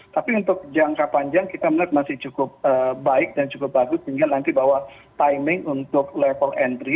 tapi untuk jangka panjang kita melihat masih cukup baik dan cukup bagus sehingga nanti bahwa timing untuk level entry